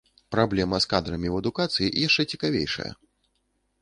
Праблема з кадрамі ў адукацыі яшчэ цікавейшая.